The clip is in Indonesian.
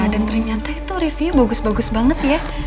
dan ternyata itu review bagus bagus banget ya